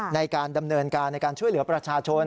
ในการดำเนินการในการช่วยเหลือประชาชน